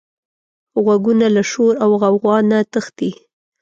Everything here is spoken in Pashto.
غوږونه له شور او غوغا نه تښتي